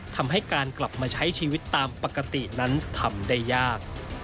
ทำให้การกลับมาใช้ชีวิตตามปกตินั้นทำได้ยาก